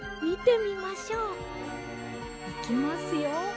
いきますよ。